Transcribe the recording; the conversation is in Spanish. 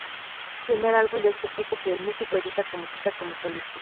Es el primer álbum de este tipo que el músico edita como solista.